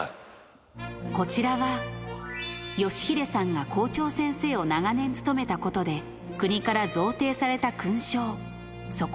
こちらは、良英さんが校長先生を長年務めたことで、国から贈呈された勲章。